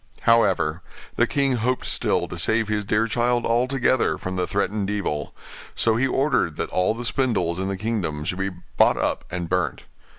However, the king hoped still to save his dear child altogether from the threatened evil; so he ordered that all the spindles in the kingdom should be bought up and burnt.